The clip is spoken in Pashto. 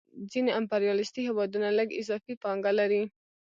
ځینې امپریالیستي هېوادونه لږ اضافي پانګه لري